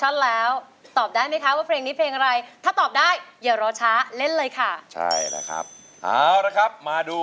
หนูเนอตอบพี่กันเลยว่าเพลงนี้นี้จะเล่นหรือจะหยุด